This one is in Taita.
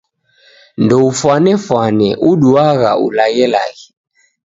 Ndoufwanefwane uduagha laghelaghe.